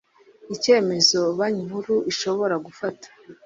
icyemezo Banki Nkuru ishobora gufata